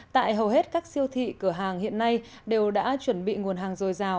tại hầu hết các siêu thị cửa hàng hiện nay đều đã chuẩn bị nguồn hàng dồi dào